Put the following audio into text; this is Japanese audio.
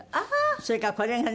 それからこれがね